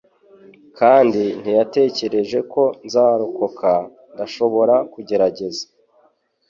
kandi ntiyatekereje ko nzarokoka. Ndashobora kugerageza